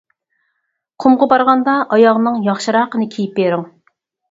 قۇمغا بارغاندا ئاياغنىڭ ياخشىراقىنى كىيىپ بىرىڭ!